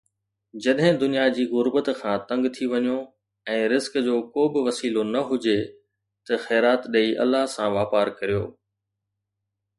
جڏهن دنيا جي غربت کان تنگ ٿي وڃو ۽ رزق جو ڪو به وسيلو نه هجي ته خيرات ڏئي الله سان واپار ڪريو.